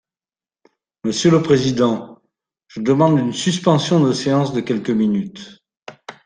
Monsieur le président, je demande une suspension de séance de quelques minutes.